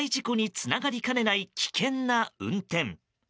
あわや大事故につながりかねない危険な運転。